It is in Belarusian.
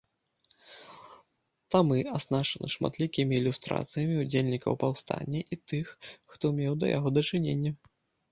Тамы аснашчаны шматлікімі ілюстрацыямі ўдзельнікаў паўстання і тых, хто меў да яго дачыненне.